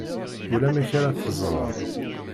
Ulamek ara teẓred.